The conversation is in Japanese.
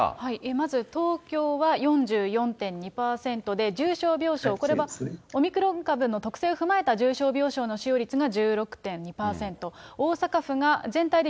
まず東京は４４．２％で、重症病床、これはオミクロン株の特性を踏まえた重症病床使用率の１６．２％。